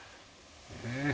ねえ。